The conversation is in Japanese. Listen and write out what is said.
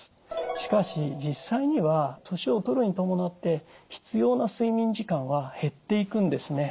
しかし実際には年を取るに伴って必要な睡眠時間は減っていくんですね。